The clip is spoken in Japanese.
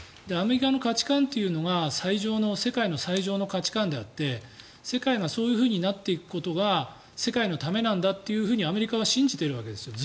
アメリカの価値観というのが世界の最上の価値観であって世界がそうなっていくことが世界のためなんだとアメリカは信じているわけです。